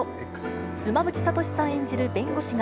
妻夫木聡さん演じる弁護士が、